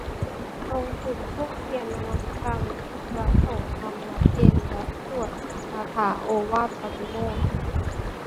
ทรงจุดธูปเทียนนมัสการ พระสงฆ์ทำวัตรเย็นและสวดคาถาโอวาทปาติโมกข์